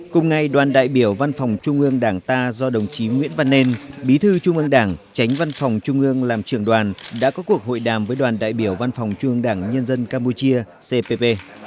cùng ngày đoàn đại biểu văn phòng trung ương đảng ta do đồng chí nguyễn văn nên bí thư trung ương đảng tránh văn phòng trung ương làm trưởng đoàn đã có cuộc hội đàm với đoàn đại biểu văn phòng trung đảng nhân dân campuchia cpp